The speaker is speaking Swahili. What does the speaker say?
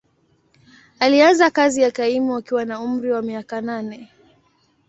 Alianza kazi ya kaimu akiwa na umri wa miaka nane.